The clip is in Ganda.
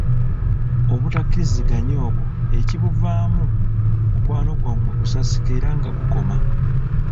Obutakkiriziganya obwo, ekibuvaamu, mukwano gwammwe kusasika era nga gukoma.